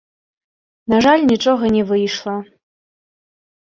На жаль, нічога не выйшла.